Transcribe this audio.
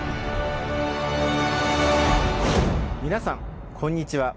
皆さんこんにちは。